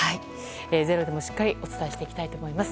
「ｚｅｒｏ」でもしっかりお伝えしていきます。